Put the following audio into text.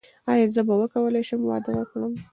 ایا زه به وکولی شم واده وکړم؟